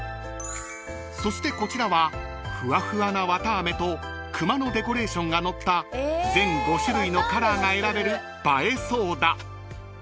［そしてこちらはふわふわな綿あめとくまのデコレーションがのった全５種類のカラーが選べる映えソーダ］